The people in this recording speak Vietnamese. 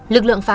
lực lượng phá án